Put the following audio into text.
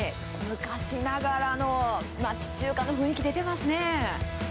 昔ながらの町中華の雰囲気出てますね。